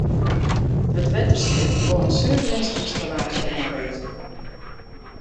It wetterskip wol in suveringsynstallaasje oanlizze.